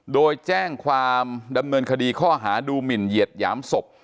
โดยแจ้งความดำเนินคดีข้อหาดูหมินเหยียดหยามศพ